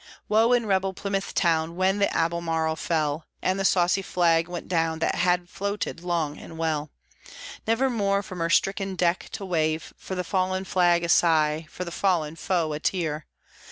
Woe in rebel Plymouth town when the Albemarle fell, And the saucy flag went down that had floated long and well, Nevermore from her stricken deck to wave. For the fallen flag a sigh, for the fallen foe a tear!